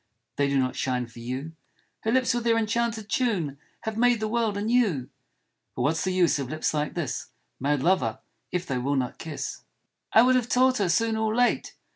" They do not shine for you " Her lips with their enchanted tune Have made the world anew !" But what's the use of lips like this, Mad lover, if they will not kiss? "I would have taught her soon or late.'